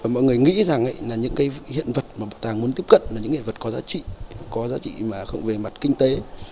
mọi người nghĩ rằng những hiện vật mà bảo tàng muốn tiếp cận là những hiện vật có giá trị có giá trị mà không về mặt kinh tế